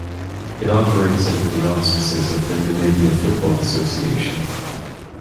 It operates under the auspices of the Namibia Football Association.